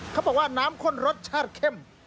เขาบอกว่าน้ำข้นรสชาติเข้ม